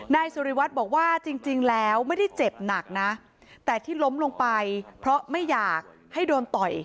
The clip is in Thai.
นายสุริวัตรบอกว่าจริงแล้วไม่ได้เจ็บหนักนะแต่ที่ล้มลงไปเพราะไม่อยากให้โดนต่อย